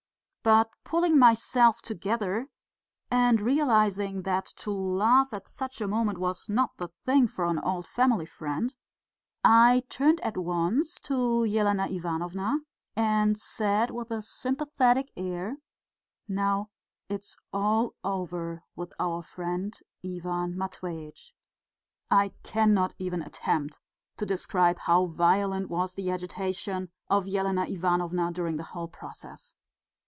But pulling myself together and realising that to laugh at such a moment was not the thing for an old family friend, I turned at once to Elena Ivanovna and said with a sympathetic air: "Now it's all over with our friend Ivan Matveitch!" I cannot even attempt to describe how violent was the agitation of Elena Ivanovna during the whole process.